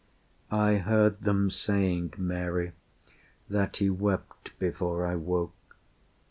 "I heard them saying, Mary, that He wept Before I woke."